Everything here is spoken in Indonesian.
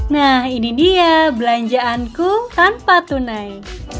nah ini dia belanjaanku tanpa tunai